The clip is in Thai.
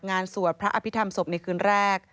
สวดพระอภิษฐรรมศพในคืนแรก